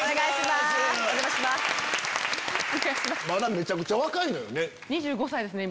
まだめちゃくちゃ若いのよね。